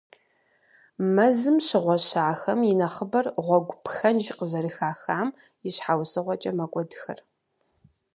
Мэзым щыгъуэщахэм и нэхъыбэр гъуэгу пхэнж къызэрыхахам и щхьэусыгъуэкӏэ мэкӏуэдхэр.